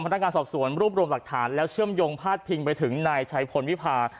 พนักงานสอบสวนรวบรวมหลักฐานแล้วเชื่อมโยงพาดพิงไปถึงนายชัยพลวิพา